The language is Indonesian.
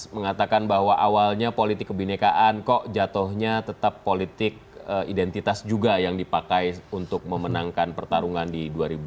mengatakan bahwa awalnya politik kebinekaan kok jatuhnya tetap politik identitas juga yang dipakai untuk memenangkan pertarungan di dua ribu dua puluh